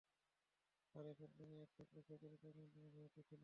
আর তখন তিনি এক টুকরো খেজুরের পর্যন্ত মুখাপেক্ষী ছিলেন।